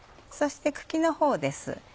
そして茎のほうです。